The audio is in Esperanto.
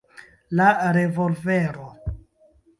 La revolvero.